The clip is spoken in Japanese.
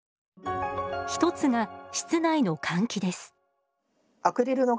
１つが室内の換気です。